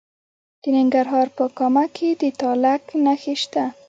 د ننګرهار په کامه کې د تالک نښې شته.